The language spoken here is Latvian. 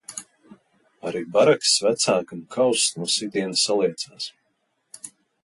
Arī barakas vecākam kauss no sitiena saliecās.